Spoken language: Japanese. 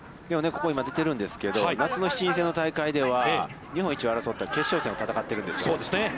ここ今出ているんですけど、夏の７人制の大会では日本一を争った、決勝戦を戦っているんですよね。